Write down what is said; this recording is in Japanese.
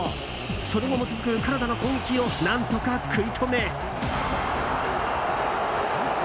その後も続くカナダの攻撃を何とか食い止め。